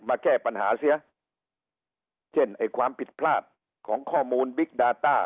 มาแก้ปัญหาเสียเช่นไอ้ความผิดพลาดของข้อมูลบิ๊กดาต้า